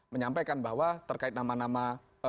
menyampaikan bahwa terkait nama nama